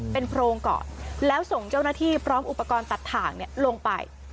เป็นโพรงก่อนแล้วส่งเจ้าหน้าที่พร้อมอุปกรณ์ตัดถ่างลงไป